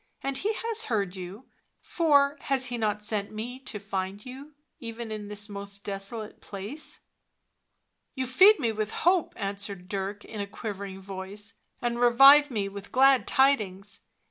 " And He has heard *you, for has He not sent me to find you, even in this most desolate place?" " You feed me with hope," answered Dirk in a quivering voice, " and revive me with glad tidings